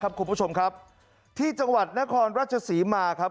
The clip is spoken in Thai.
คุณผู้ชมครับที่จังหวัดนครราชศรีมาครับ